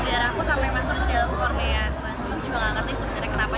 udara aku sampai masuk ke dalam kornia aku juga tidak mengerti sebenarnya kenapa